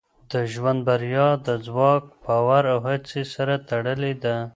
د ژوند بریا د ځواک، باور او هڅې سره تړلې ده.